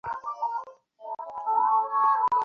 আমি এখন তোমাকে বিশ্বাস করতে পারছি না।